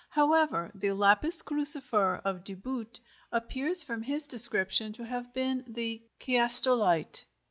However, the lapis crucifer of De Boot appears from his description to have been the chiastolite.